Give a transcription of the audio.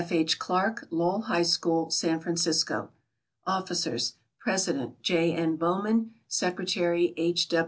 H. Clark, Lowell High School, San Francisco. Officers: President, J. N. Bowman; secretary, H.